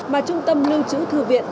mà trung tâm lưu trữ thư viện